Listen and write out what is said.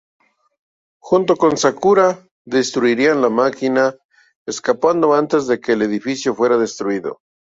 Junto con Sakura, destruirían la máquina, escapando antes de que el edificio fuera destruido.